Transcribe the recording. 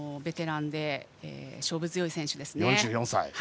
ベテランで勝負強い選手ですね。